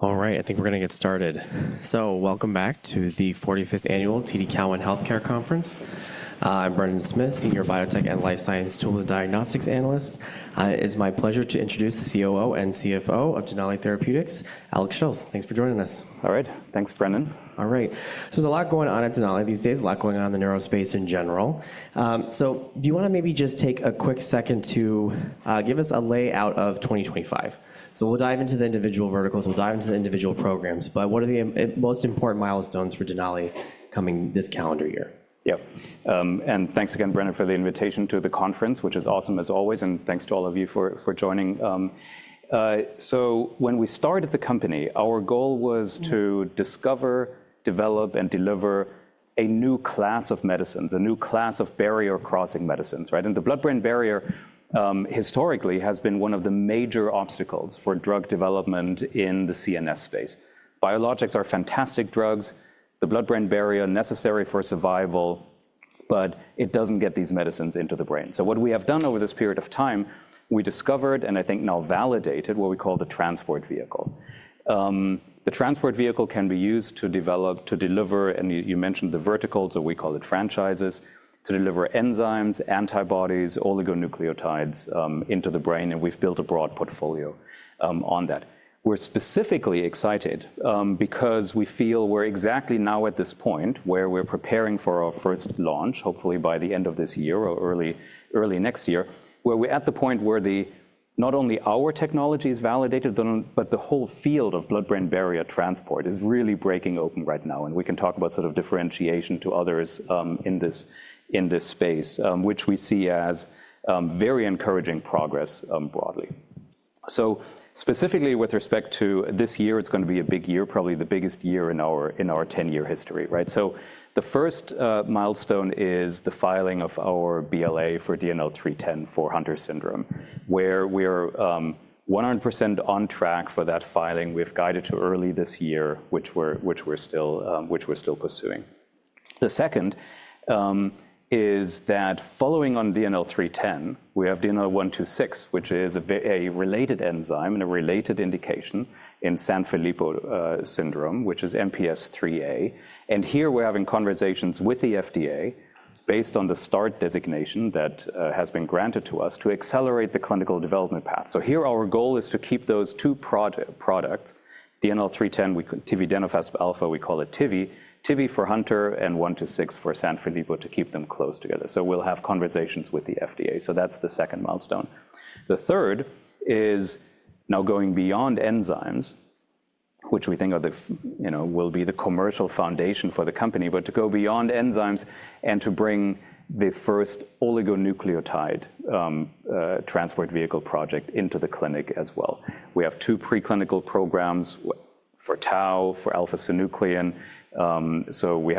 All right, I think we're going to get started so welcome back to the 45th Annual TD Cowen Healthcare Conference. I'm Brendan Smith, Senior Biotech and Life Science Tool and Diagnostics Analyst. It is my pleasure to introduce the COO and CFO of Denali Therapeutics, Alex Schuth. Thanks for joining us. All right, thanks, Brendan. All right, so there's a lot going on at Denali these days, a lot going on in the neuro space in general. So do you want to maybe just take a quick second to give us a lay out of 2025? So we'll dive into the individual verticals, we'll dive into the individual programs, but what are the most important milestones for Denali coming this calendar year? Yep, and thanks again, Brendan, for the invitation to the conference, which is awesome as always, and thanks to all of you for joining. So when we started the company, our goal was to discover, develop, and deliver a new class of medicines, a new class of barrier-crossing medicines, right? And the blood-brain barrier historically has been one of the major obstacles for drug development in the CNS space. Biologics are fantastic drugs, the blood-brain barrier necessary for survival, but it doesn't get these medicines into the brain. So what we have done over this period of time, we discovered and I think now validated what we call the transport vehicle. The transport vehicle can be used to develop, to deliver, and you mentioned the vertical, so we call it franchises, to deliver enzymes, antibodies, oligonucleotides into the brain, and we've built a broad portfolio on that. We're specifically excited because we feel we're exactly now at this point where we're preparing for our first launch, hopefully by the end of this year or early next year, where we're at the point where not only our technology is validated, but the whole field of blood-brain barrier transport is really breaking open right now, and we can talk about sort of differentiation to others in this space, which we see as very encouraging progress broadly. So specifically with respect to this year, it's going to be a big year, probably the biggest year in our 10-year history, right? So the first milestone is the filing of our BLA for DNL310 for Hunter syndrome, where we're 100% on track for that filing. We've guided to early this year, which we're still pursuing. The second is that following on DNL310, we have DNL126, which is a related enzyme and a related indication in Sanfilippo syndrome, which is MPS IIIA, and here we're having conversations with the FDA based on the START designation that has been granted to us to accelerate the clinical development path, so here our goal is to keep those two products, DNL310, tividenofusp alfa, we call it TV, TV for Hunter and 126 for Sanfilippo to keep them close together, so we'll have conversations with the FDA, so that's the second milestone. The third is now going beyond enzymes, which we think will be the commercial foundation for the company, but to go beyond enzymes and to bring the first oligonucleotide transport vehicle project into the clinic as well. We have two preclinical programs for tau, for alpha-synuclein. So we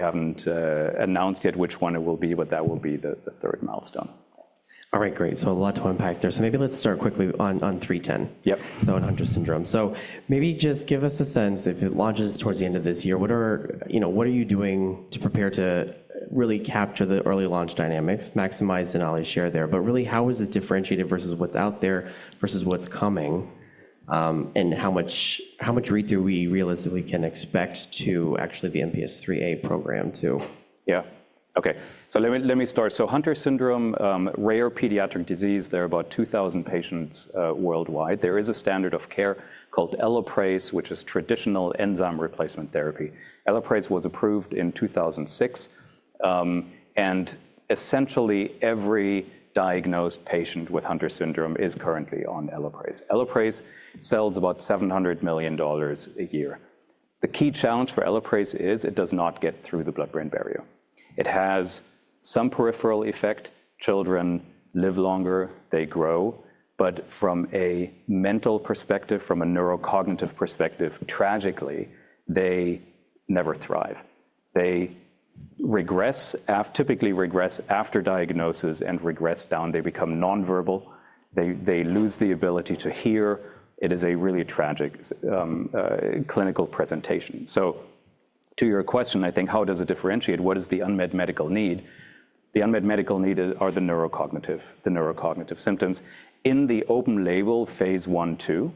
haven't announced yet which one it will be, but that will be the third milestone. All right, great. So a lot to unpack there. So maybe let's start quickly on 310. Yep. On Hunter syndrome. So maybe just give us a sense if it launches toward the end of this year, what are you doing to prepare to really capture the early launch dynamics, maximize Denali's share there, but really how is this differentiated versus what's out there versus what's coming and how much read-through we realistically can expect to, actually, the MPS IIIA program too? Yeah, okay. So let me start. So Hunter syndrome, rare pediatric disease, there are about 2,000 patients worldwide. There is a standard of care called Elaprase, which is traditional enzyme replacement therapy. Elaprase was approved in 2006, and essentially every diagnosed patient with Hunter syndrome is currently on Elaprase. Elaprase sells about $700 million a year. The key challenge for Elaprase is it does not get through the blood-brain barrier. It has some peripheral effect. Children live longer, they grow, but from a mental perspective, from a neurocognitive perspective, tragically they never thrive. They typically regress after diagnosis and regress down. They become nonverbal. They lose the ability to hear. It is a really tragic clinical presentation. So to your question, I think how does it differentiate? What is the unmet medical need? The unmet medical need are the neurocognitive symptoms. In the open label phase one-two,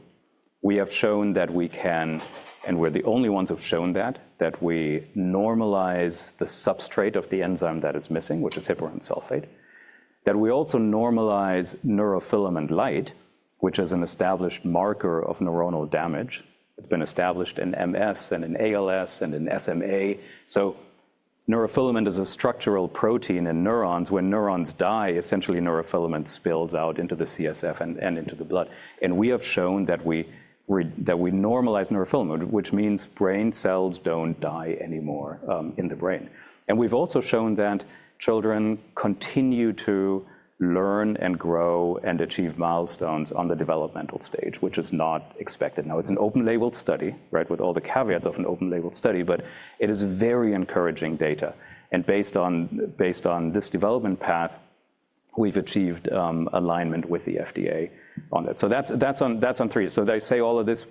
we have shown that we can, and we're the only ones who have shown that, that we normalize the substrate of the enzyme that is missing, which is heparan sulfate, that we also normalize neurofilament light, which is an established marker of neuronal damage. It's been established in MS and in ALS and in SMA. So neurofilament is a structural protein in neurons. When neurons die, essentially neurofilament spills out into the CSF and into the blood. And we have shown that we normalize neurofilament, which means brain cells don't die anymore in the brain. And we've also shown that children continue to learn and grow and achieve milestones on the developmental stage, which is not expected. Now it's an open label study, right, with all the caveats of an open label study, but it is very encouraging data. Based on this development path, we've achieved alignment with the FDA on that. So that's on three. So they say all of this,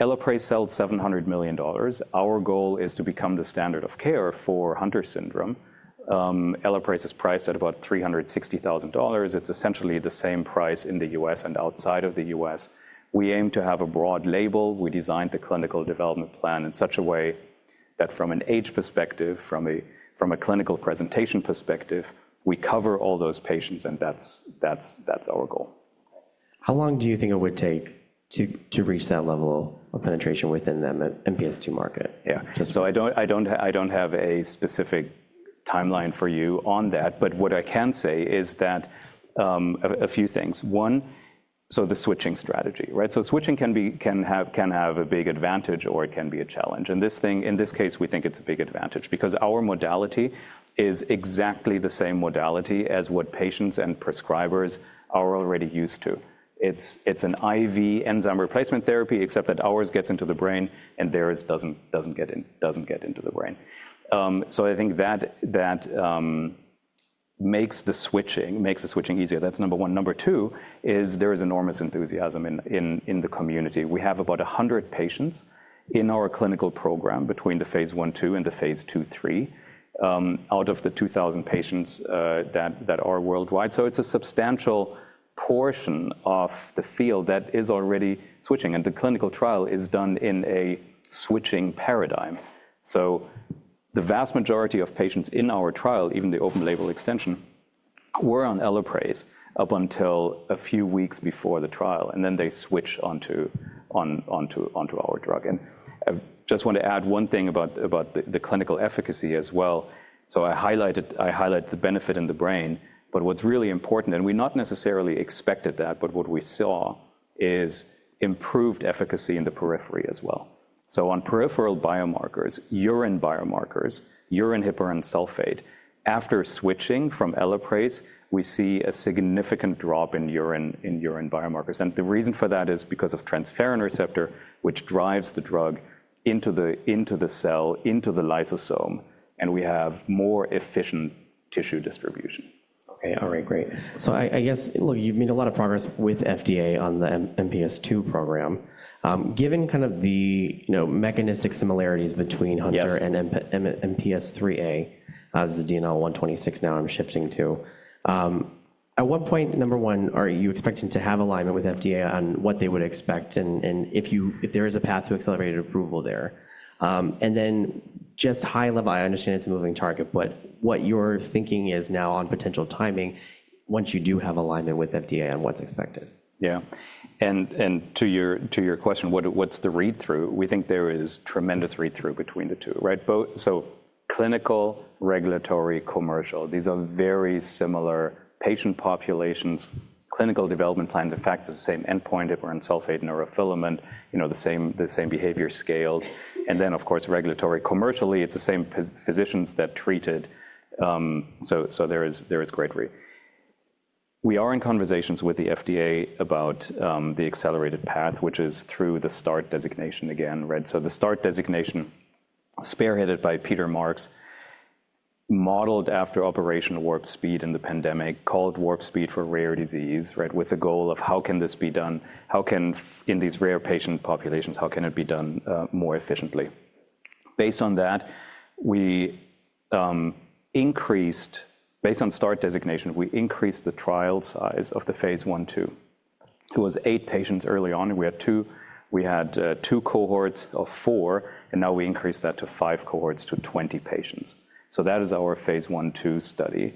Elaprase sells $700 million. Our goal is to become the standard of care for Hunter syndrome. Elaprase is priced at about $360,000. It's essentially the same price in the U.S. and outside of the U.S. We aim to have a broad label. We designed the clinical development plan in such a way that from an age perspective, from a clinical presentation perspective, we cover all those patients, and that's our goal. How long do you think it would take to reach that level of penetration within that MPS II market? Yeah, so I don't have a specific timeline for you on that, but what I can say is that a few things. One, so the switching strategy, right? So switching can have a big advantage or it can be a challenge, and in this case, we think it's a big advantage because our modality is exactly the same modality as what patients and prescribers are already used to. It's an IV enzyme replacement therapy, except that ours gets into the brain and theirs doesn't get into the brain. So I think that makes the switching easier. That's number one. Number two is there is enormous enthusiasm in the community. We have about 100 patients in our clinical program between the phase one-two and the phase two-three out of the 2,000 patients that are worldwide. So it's a substantial portion of the field that is already switching, and the clinical trial is done in a switching paradigm. So the vast majority of patients in our trial, even the open label extension, were on Elaprase up until a few weeks before the trial, and then they switched onto our drug. And I just want to add one thing about the clinical efficacy as well. So I highlighted the benefit in the brain, but what's really important, and we not necessarily expected that, but what we saw is improved efficacy in the periphery as well. So on peripheral biomarkers, urine biomarkers, urine heparan sulfate, after switching from Elaprase, we see a significant drop in urine biomarkers. And the reason for that is because of a transferrin receptor, which drives the drug into the cell, into the lysosome, and we have more efficient tissue distribution. Okay, all right, great. So I guess, look, you've made a lot of progress with FDA on the MPS II program. Given kind of the mechanistic similarities between Hunter and MPS3A, this is DNL126 now I'm shifting to, at what point, number one, are you expecting to have alignment with FDA on what they would expect and if there is a path to accelerated approval there? And then just high level, I understand it's a moving target, but what you're thinking is now on potential timing once you do have alignment with FDA on what's expected? Yeah, and to your question, what's the read-through? We think there is tremendous read-through between the two, right? So clinical, regulatory, commercial, these are very similar patient populations. Clinical development plans affect the same endpoint, heparan sulfate, neurofilament, the same behavior scales. And then, of course, regulatory, commercially, it's the same physicians that treated, so there is great read-through. We are in conversations with the FDA about the accelerated path, which is through the START designation again, right? So the START designation, spearheaded by Peter Marks, modeled after Operation Warp Speed in the pandemic, called warp speed for rare disease, right? With the goal of how can this be done, how can, in these rare patient populations, how can it be done more efficiently? Based on that, we increased, based on START designation, we increased the trial size of the phase 1-2. It was eight patients early on. We had two cohorts of four, and now we increased that to five cohorts to 20 patients, so that is our phase one-two study,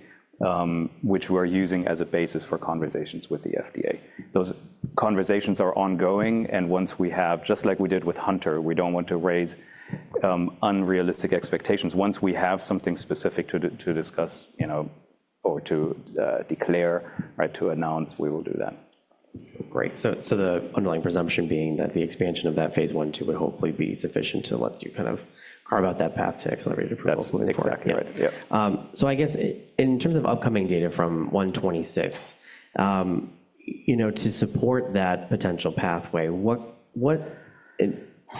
which we're using as a basis for conversations with the FDA. Those conversations are ongoing, and once we have, just like we did with Hunter, we don't want to raise unrealistic expectations. Once we have something specific to discuss or to declare, right, to announce, we will do that. Great. So the underlying presumption being that the expansion of that phase 1-2 would hopefully be sufficient to let you kind of carve out that path to accelerated approval. That's exactly right. Yeah. So I guess in terms of upcoming data from 126, to support that potential pathway, what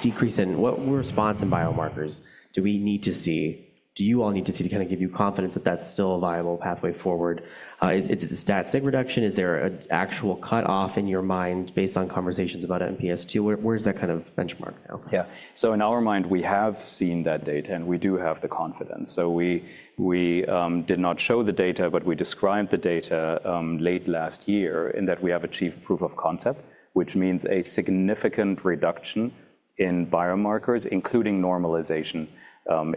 decrease in what response in biomarkers do we need to see, do you all need to see to kind of give you confidence that that's still a viable pathway forward? Is it a static reduction? Is there an actual cutoff in your mind based on conversations about MPS II? Where's that kind of benchmark now? Yeah, so in our mind, we have seen that data, and we do have the confidence. We did not show the data, but we described the data late last year in that we have achieved proof of concept, which means a significant reduction in biomarkers, including normalization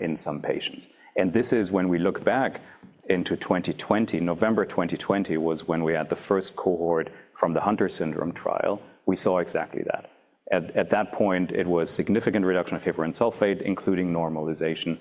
in some patients. This is when we look back into 2020. November 2020 was when we had the first cohort from the Hunter syndrome trial. We saw exactly that. At that point, it was significant reduction of heparan sulfate, including normalization,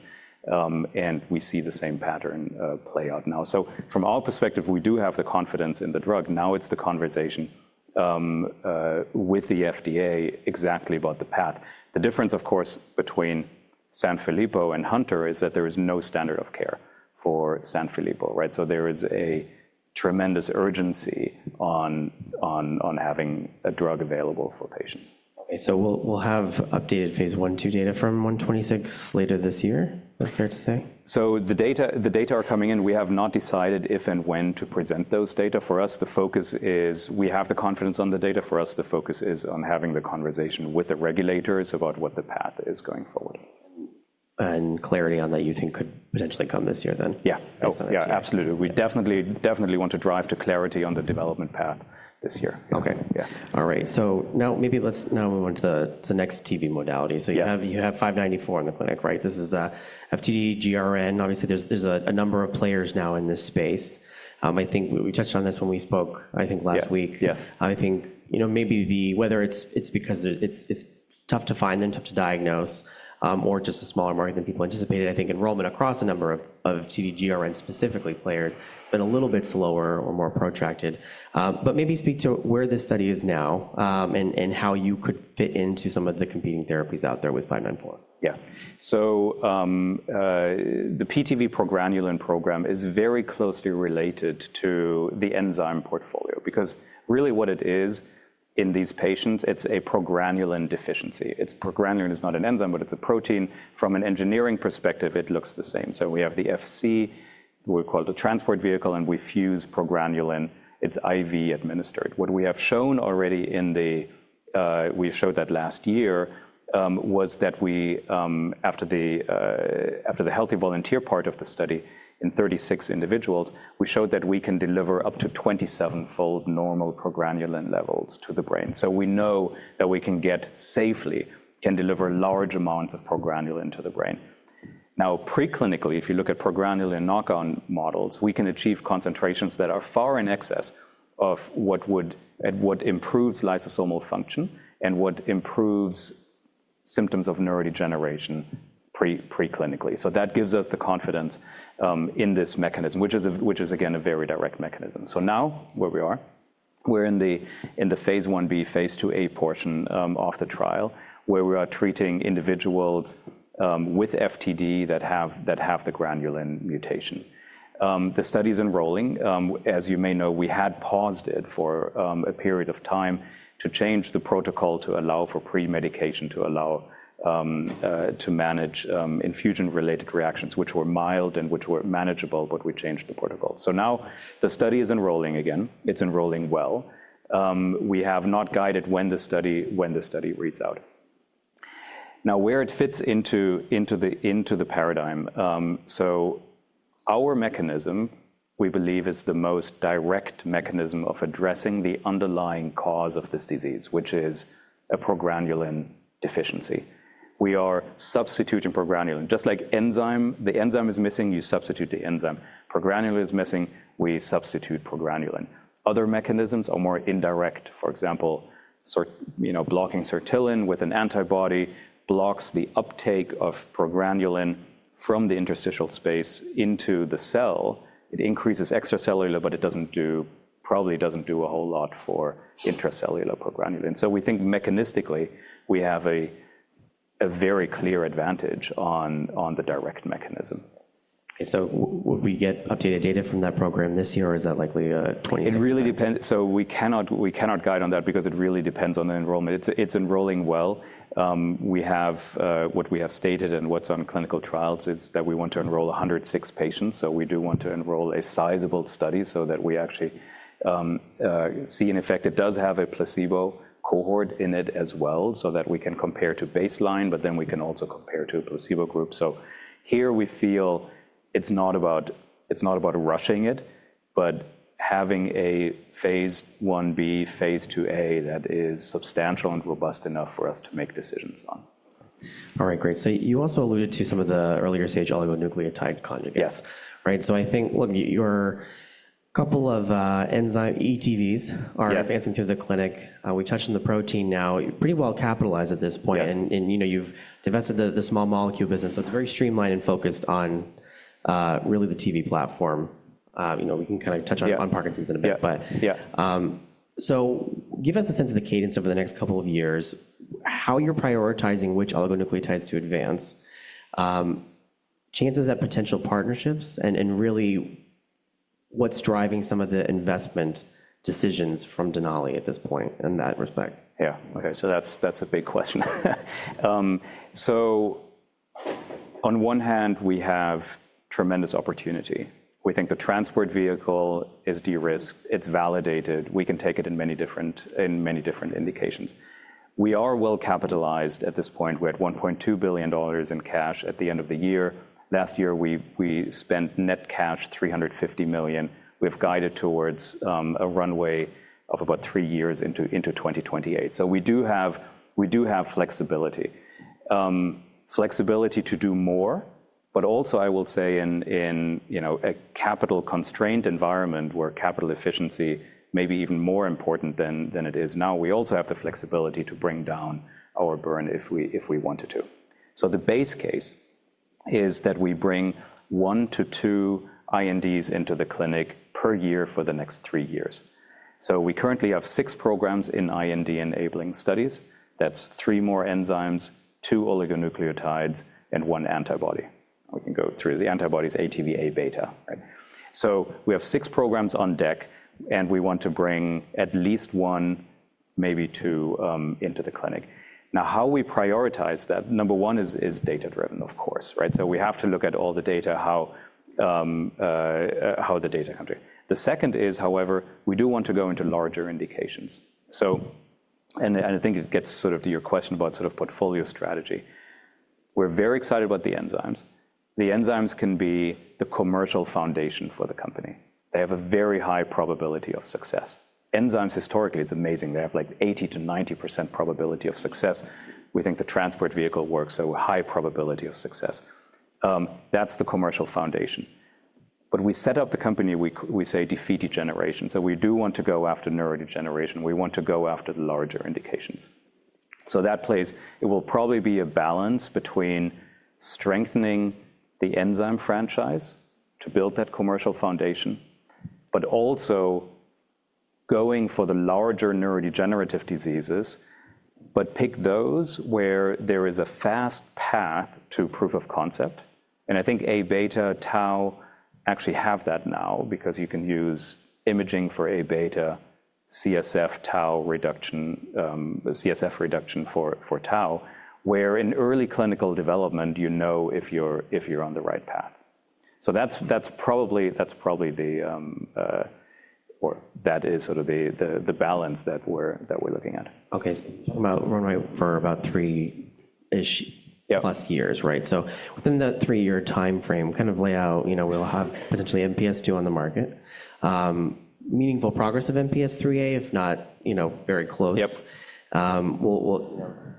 and we see the same pattern play out now. From our perspective, we do have the confidence in the drug. Now it's the conversation with the FDA exactly about the path. The difference, of course, between Sanfilippo and Hunter is that there is no standard of care for Sanfilippo, right? There is a tremendous urgency on having a drug available for patients. Okay, so we'll have updated phase 1-2 data from 126 later this year, fair to say? So the data are coming in. We have not decided if and when to present those data for us. The focus is we have the confidence on the data for us. The focus is on having the conversation with the regulators about what the path is going forward. And clarity on that you think could potentially come this year then? Yeah, absolutely. We definitely want to drive to clarity on the development path this year. Okay, all right. So now maybe let's move to the next TV modality. So you have 594 in the clinic, right? This is FTD, GRN. Obviously, there's a number of players now in this space. I think we touched on this when we spoke, I think last week. I think maybe whether it's because it's tough to find them, tough to diagnose, or just a smaller market than people anticipated. I think enrollment across a number of FTD, GRN, specifically players, it's been a little bit slower or more protracted. But maybe speak to where this study is now and how you could fit into some of the competing therapies out there with 594. Yeah, so the PTV progranulin program is very closely related to the enzyme portfolio because really what it is in these patients, it's a progranulin deficiency. progranulin is not an enzyme, but it's a protein. From an engineering perspective, it looks the same. So we have the Fc, we call it a transport vehicle, and we fuse progranulin. It's IV administered. What we have shown already, we showed that last year was that after the healthy volunteer part of the study in 36 individuals, we showed that we can deliver up to 27-fold normal progranulin levels to the brain. So we know that we can get safely, can deliver large amounts of progranulin to the brain. Now, preclinically, if you look at progranulin knockout models, we can achieve concentrations that are far in excess of what improves lysosomal function and what improves symptoms of neurodegeneration preclinically. That gives us the confidence in this mechanism, which is again a very direct mechanism. Now where we are, we're in the phase 1b, phase 2a portion of the trial where we are treating individuals with FTD that have the GRN mutation. The study's enrolling. As you may know, we had paused it for a period of time to change the protocol to allow for pre-medication, to allow to manage infusion-related reactions, which were mild and which were manageable, but we changed the protocol. Now the study is enrolling again. It's enrolling well. We have not guided when the study reads out. Now, where it fits into the paradigm, so our mechanism, we believe, is the most direct mechanism of addressing the underlying cause of this disease, which is a progranulin deficiency. We are substituting progranulin. Just like enzyme, the enzyme is missing, you substitute the enzyme. progranulin is missing. We substitute progranulin. Other mechanisms are more indirect. For example, blocking sortilin with an antibody blocks the uptake of progranulin from the interstitial space into the cell. It increases extracellular, but it probably doesn't do a whole lot for intracellular progranulin. We think mechanistically we have a very clear advantage on the direct mechanism. Okay, so will we get updated data from that program this year or is that likely 2024? It really depends. So we cannot guide on that because it really depends on the enrollment. It's enrolling well. What we have stated and what's on clinical trials is that we want to enroll 106 patients. So we do want to enroll a sizable study so that we actually see an effect. It does have a placebo cohort in it as well so that we can compare to baseline, but then we can also compare to a placebo group. So here we feel it's not about rushing it, but having a phase 1b, phase 2a that is substantial and robust enough for us to make decisions on. All right, great. So you also alluded to some of the earlier stage oligonucleotide conjugates, right? So I think, look, your couple of enzyme ETVs are advancing through the clinic. We touched on the protein now. You're pretty well capitalized at this point, and you've divested the small molecule business. So it's very streamlined and focused on really the TV platform. We can kind of touch on Parkinson's in a bit, but so give us a sense of the cadence over the next couple of years, how you're prioritizing which oligonucleotides to advance, chances at potential partnerships, and really what's driving some of the investment decisions from Denali at this point in that respect. Yeah, okay, so that's a big question. So on one hand, we have tremendous opportunity. We think the transport vehicle is de-risked. It's validated. We can take it in many different indications. We are well capitalized at this point. We're at $1.2 billion in cash at the end of the year. Last year, we spent net cash $350 million. We've guided towards a runway of about three years into 2028. So we do have flexibility. Flexibility to do more, but also I will say in a capital constrained environment where capital efficiency may be even more important than it is now, we also have the flexibility to add down our burn if we wanted to. So the base case is that we bring one to two INDs into the clinic per year for the next three years. So we currently have six programs in IND enabling studies. That's three more enzymes, two oligonucleotides, and one antibody. We can go through the antibodies, ATV Aβ, right? So we have six programs on deck, and we want to bring at least one, maybe two, into the clinic. Now, how we prioritize that, number one is data-driven, of course, right? So we have to look at all the data, how the data turn out. The second is, however, we do want to go into larger indications. And I think it gets sort of to your question about sort of portfolio strategy. We're very excited about the enzymes. The enzymes can be the commercial foundation for the company. They have a very high probability of success. Enzymes historically, it's amazing. They have like 80%-90% probability of success. We think the transport vehicle works, so high probability of success. That's the commercial foundation. But we set up the company. We say defeat degeneration. So we do want to go after neurodegeneration. We want to go after the larger indications. So that plays it will probably be a balance between strengthening the enzyme franchise to build that commercial foundation, but also going for the larger neurodegenerative diseases, but pick those where there is a fast path to proof of concept. And I think Aβ, tau actually have that now because you can use imaging for Aβ, CSF, tau reduction, CSF reduction for tau, where in early clinical development, you know if you're on the right path. So that's probably the, or that is sort of the balance that we're looking at. Okay, so we're talking about runway for about three plus years, right? So within that three-year timeframe, kind of lay out, we'll have potentially MPS II on the market. Meaningful progress of MPS3A, if not very close.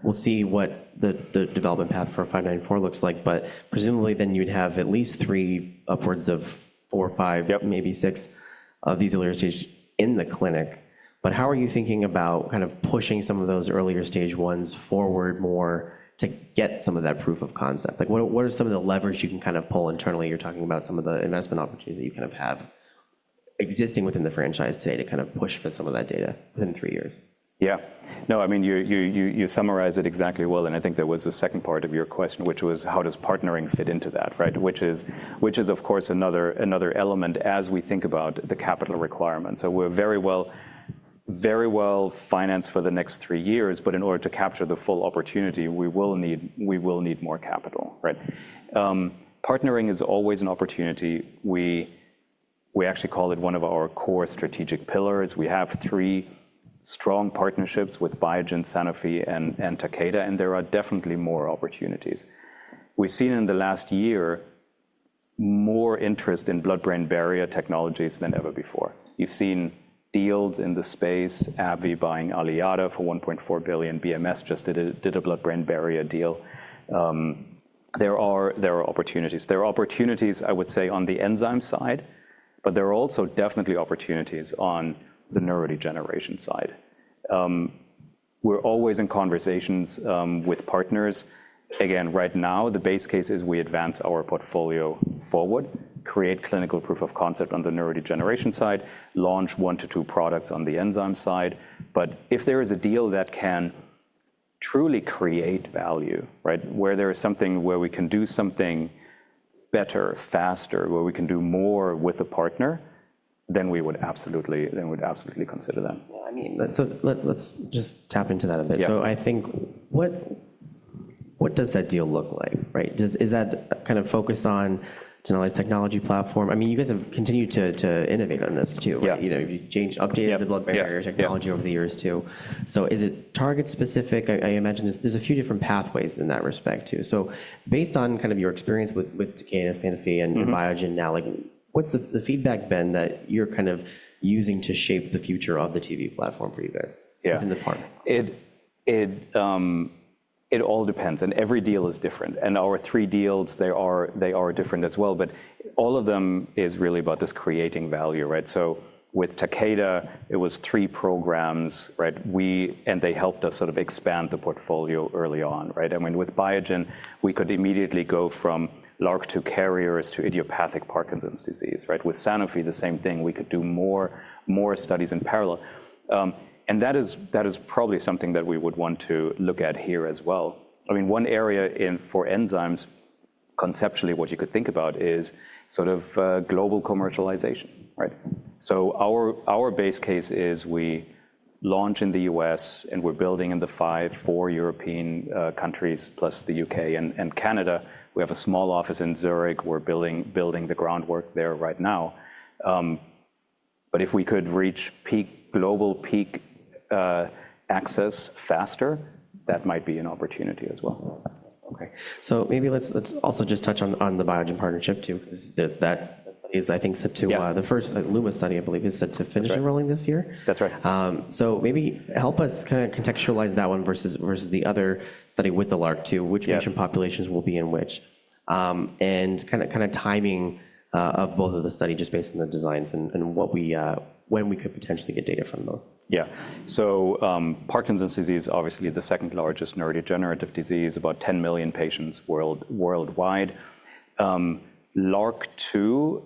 We'll see what the development path for 594 looks like, but presumably then you'd have at least three upwards of four, five, maybe six of these earlier stage in the clinic. But how are you thinking about kind of pushing some of those earlier stage ones forward more to get some of that proof of concept? What are some of the levers you can kind of pull internally? You're talking about some of the investment opportunities that you kind of have existing within the franchise today to kind of push for some of that data within three years. Yeah, no, I mean, you summarized it exactly well. And I think there was a second part of your question, which was how does partnering fit into that, right? Which is, of course, another element as we think about the capital requirements. So we're very well financed for the next three years, but in order to capture the full opportunity, we will need more capital, right? Partnering is always an opportunity. We actually call it one of our core strategic pillars. We have three strong partnerships with Biogen, Sanofi, and Takeda, and there are definitely more opportunities. We've seen in the last year more interest in blood-brain barrier technologies than ever before. You've seen deals in the space, AbbVie buying Aliada for $1.4 billion. BMS just did a blood-brain barrier deal. There are opportunities. There are opportunities, I would say, on the enzyme side, but there are also definitely opportunities on the neurodegeneration side. We're always in conversations with partners. Again, right now, the base case is we advance our portfolio forward, create clinical proof of concept on the neurodegeneration side, launch one to two products on the enzyme side. But if there is a deal that can truly create value, right, where there is something where we can do something better, faster, where we can do more with a partner, then we would absolutely consider that. Yeah, I mean, let's just tap into that a bit. So I think what does that deal look like, right? Is that kind of focus on Denali's technology platform? I mean, you guys have continued to innovate on this too. You've changed, updated the blood-brain barrier technology over the years too. So is it target-specific? I imagine there's a few different pathways in that respect too. So based on kind of your experience with Takeda, Sanofi, and Biogen now, what's the feedback been that you're kind of using to shape the future of the TV platform for you guys in the partner? It all depends. And every deal is different. And our three deals, they are different as well. But all of them is really about this creating value, right? So with Takeda, it was three programs, right? And they helped us sort of expand the portfolio early on, right? I mean, with Biogen, we could immediately go from LRRK2 carriers to idiopathic Parkinson's disease, right? With Sanofi, the same thing. We could do more studies in parallel. And that is probably something that we would want to look at here as well. I mean, one area for enzymes, conceptually, what you could think about is sort of global commercialization, right? So our base case is we launch in the U.S. and we're building in the five, four European countries plus the U.K. and Canada. We have a small office in Zurich. We're building the groundwork there right now. But if we could reach global peak access faster, that might be an opportunity as well. Okay, so maybe let's also just touch on the Biogen partnership too because that study is, I think, the first LUMA study, I believe, is set to finish enrolling this year. That's right. Maybe help us kind of contextualize that one versus the other study with the LRRK2, which patient populations will be in which, and kind of timing of both of the study just based on the designs and when we could potentially get data from those. Yeah, so Parkinson's disease is obviously the second largest neurodegenerative disease, about 10 million patients worldwide. LRRK2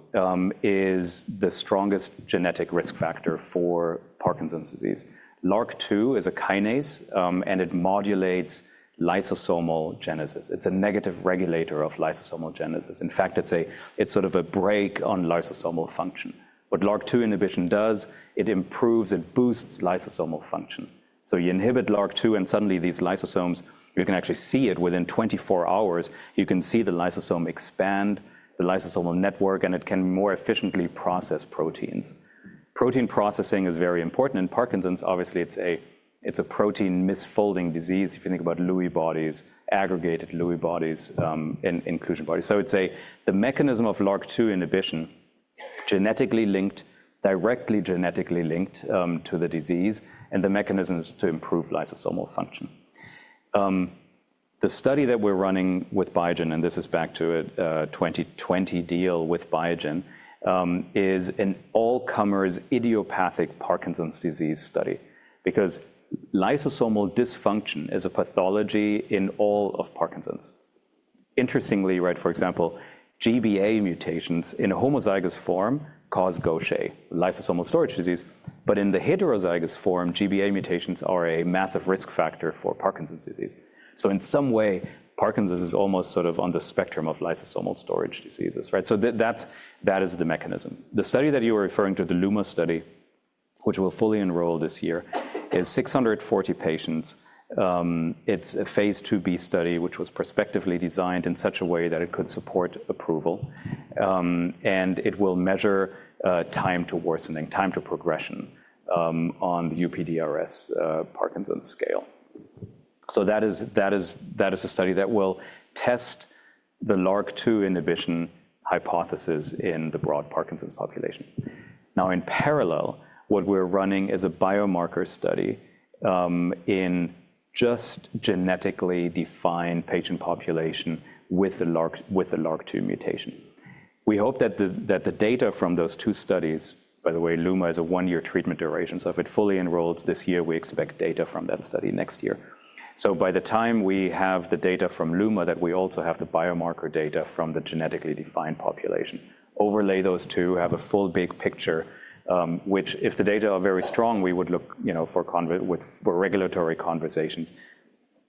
is the strongest genetic risk factor for Parkinson's disease. LRRK2 is a kinase, and it modulates lysosomal biogenesis. It's a negative regulator of lysosomal biogenesis. In fact, it's sort of a brake on lysosomal function. What LRRK2 inhibition does, it improves, it boosts lysosomal function. So you inhibit LRRK2 and suddenly these lysosomes, you can actually see it within 24 hours, you can see the lysosome expand, the lysosomal network, and it can more efficiently process proteins. Protein processing is very important. In Parkinson's, obviously, it's a protein misfolding disease. If you think about Lewy bodies, aggregated Lewy bodies, inclusion bodies. So it's a mechanism of LRRK2 inhibition, genetically linked, directly genetically linked to the disease, and the mechanisms to improve lysosomal function. The study that we're running with Biogen, and this is back to a 2020 deal with Biogen, is an all-comers idiopathic Parkinson's disease study because lysosomal dysfunction is a pathology in all of Parkinson's. Interestingly, right, for example, GBA mutations in a homozygous form cause Gaucher disease, a lysosomal storage disease, but in the heterozygous form, GBA mutations are a massive risk factor for Parkinson's disease, so in some way, Parkinson's is almost sort of on the spectrum of lysosomal storage diseases, right, so that is the mechanism. The study that you were referring to, the LUMA study, which will fully enroll this year, is 640 patients. It's a phase 2b study, which was prospectively designed in such a way that it could support approval, and it will measure time to worsening, time to progression on the UPDRS Parkinson's scale. That is a study that will test the LRRK2 inhibition hypothesis in the broad Parkinson's population. Now, in parallel, what we're running is a biomarker study in just genetically defined patient population with the LRRK2 mutation. We hope that the data from those two studies, by the way, LUMA is a one-year treatment duration. So if it fully enrolls this year, we expect data from that study next year. By the time we have the data from LUMA, that we also have the biomarker data from the genetically defined population. Overlay those two, have a full big picture, which if the data are very strong, we would look for regulatory conversations.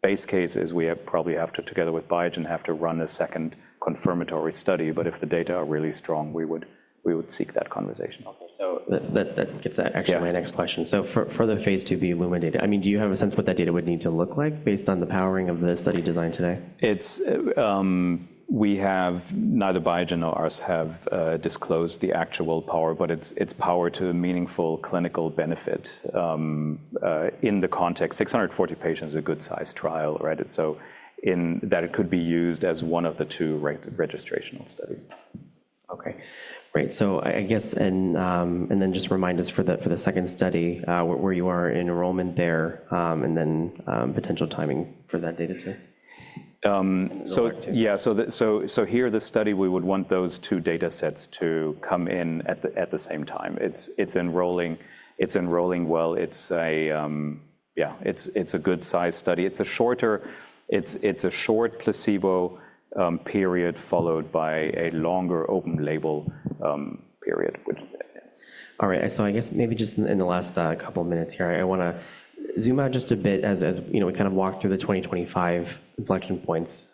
Base cases, we probably have to, together with Biogen, have to run a second confirmatory study. But if the data are really strong, we would seek that conversation. Okay, so that gets actually my next question. So for the phase 2b LUMA data, I mean, do you have a sense what that data would need to look like based on the powering of the study design today? We have, neither Biogen nor us have disclosed the actual power, but it's power to a meaningful clinical benefit in the context. 640 patients is a good size trial, right? So in that, it could be used as one of the two registrational studies. Okay, great. So I guess, and then just remind us for the second study where you are in enrollment there and then potential timing for that data too? So yeah, so here the study, we would want those two data sets to come in at the same time. It's enrolling well. Yeah, it's a good size study. It's a shorter placebo period followed by a longer open label period. All right, so I guess maybe just in the last couple of minutes here, I want to zoom out just a bit as we kind of walk through the 2025 inflection points.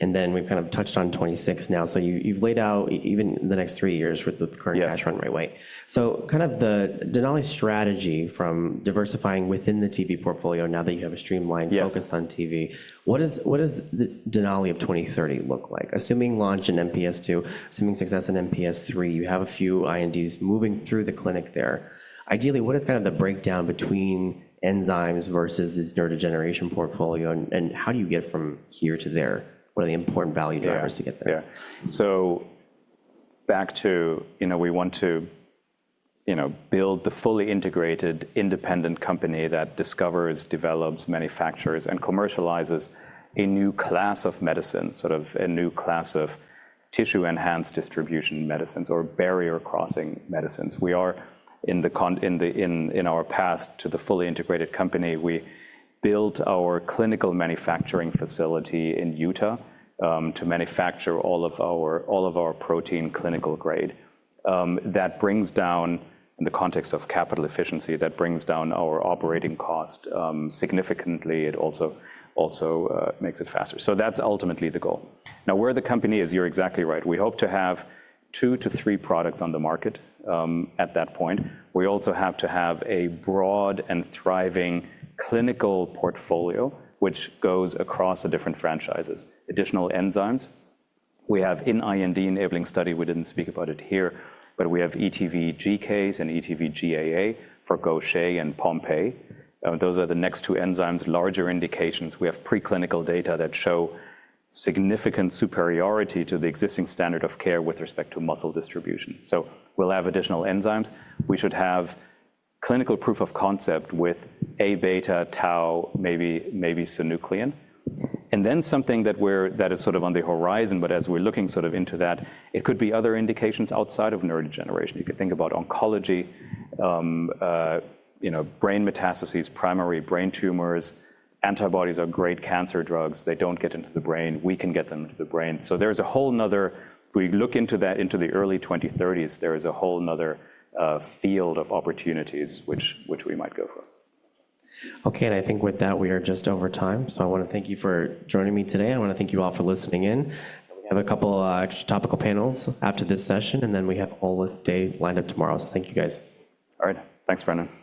And then we've kind of touched on 26 now. So you've laid out even the next three years with the current guys run right away. So kind of the Denali strategy from diversifying within the TV portfolio now that you have a streamlined focus on TV, what does Denali of 2030 look like? Assuming launch in MPS II, assuming success in MPS3, you have a few INDs moving through the clinic there. Ideally, what is kind of the breakdown between enzymes versus this neurodegeneration portfolio and how do you get from here to there? What are the important value drivers to get there? Yeah, so back to, we want to build the fully integrated independent company that discovers, develops, manufactures, and commercializes a new class of medicine, sort of a new class of tissue-enhanced distribution medicines or barrier crossing medicines. We are in our path to the fully integrated company. We built our clinical manufacturing facility in Utah to manufacture all of our protein clinical grade. That brings down, in the context of capital efficiency, that brings down our operating cost significantly. It also makes it faster. So that's ultimately the goal. Now, where the company is, you're exactly right. We hope to have two to three products on the market at that point. We also have to have a broad and thriving clinical portfolio, which goes across the different franchises. Additional enzymes, we have in IND enabling study. We didn't speak about it here, but we have ETV:GCase and ETV:GAA for Gaucher and Pompe. Those are the next two enzymes larger indications. We have preclinical data that show significant superiority to the existing standard of care with respect to muscle distribution, so we'll have additional enzymes. We should have clinical proof of concept with Aβ, tau, maybe synuclein, and then something that is sort of on the horizon, but as we're looking sort of into that, it could be other indications outside of neurodegeneration. You could think about oncology, brain metastases, primary brain tumors. Antibodies are great cancer drugs. They don't get into the brain. We can get them into the brain, so there's a whole nother, if we look into that into the early 2030s, there is a whole nother field of opportunities which we might go for. Okay, and I think with that, we are just over time. So I want to thank you for joining me today. I want to thank you all for listening in. We have a couple of topical panels after this session, and then we have all the day lined up tomorrow. So thank you guys. All right, thanks, Brendan.